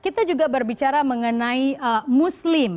kita juga berbicara mengenai muslim